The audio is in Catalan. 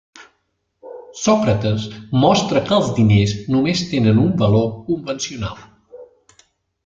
Sòcrates mostra que els diners només tenen un valor convencional.